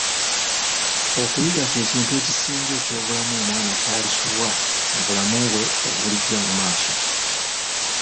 Okuyiga kye kintu ekisinga eky'obulamu omwana kyalisubwa mu bulamu bwe obulijja mu maaso.